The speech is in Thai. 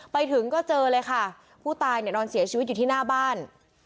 ไปถึงก็เจอเลยค่ะผู้ตายเนี่ยนอนเสียชีวิตอยู่ที่หน้าบ้าน